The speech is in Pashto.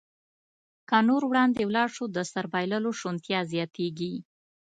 که نور وړاندې ولاړ شو، د سر بایللو شونتیا زیاتېږي.